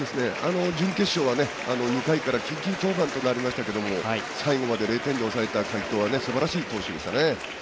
準決勝はね、２回から緊急登板となりましたけども最後まで０点で抑えた快投はすばらしい投手でしたね。